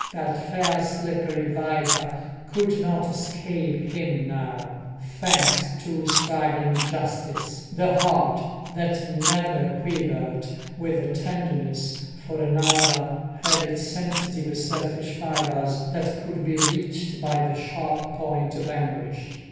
That fair slippery viper could not escape him now; thanks to struggling justice, the heart that never quivered with tenderness for another had its sensitive selfish fibres that could be reached by the sharp point of anguish.